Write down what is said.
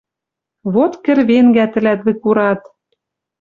Вот кӹрвенгӓ тӹлӓт выкурат!» —